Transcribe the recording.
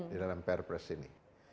di dalam prpres ini